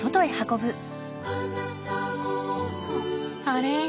あれ？